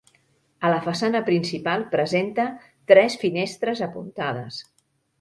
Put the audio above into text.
A la façana principal presenta tres finestres apuntades.